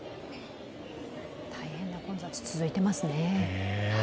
大変な混雑、続いていますね。